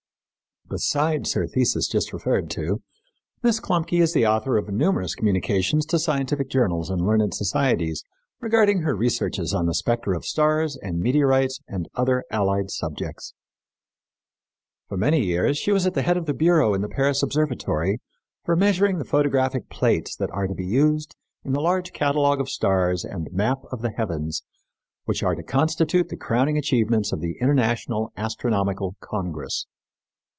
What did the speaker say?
Besides her thesis just referred to, Miss Klumpke is the author of numerous communications to scientific journals and learned societies regarding her researches on the spectra of stars and meteorites and other allied subjects. For many years she was at the head of the bureau in the Paris Observatory for measuring the photographic plates that are to be used in the large catalogue of stars and map of the heavens which are to constitute the crowning achievements of the International Astronomical Congress.